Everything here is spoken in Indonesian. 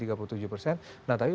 nah tapi pak prabowo